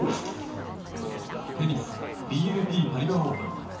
テニスＢＮＰパリバ・オープン。